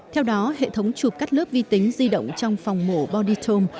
theo đó hệ thống chụp cắt lớp vi tính di động trong phòng mổ boudytome